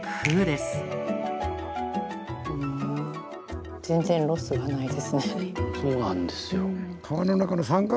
そうなんですよ。